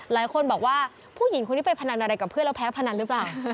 หลายคนบอกว่าผู้หญิงคนนี้ไปพนันอะไรกับเพื่อนแล้วแพ้พนันหรือเปล่า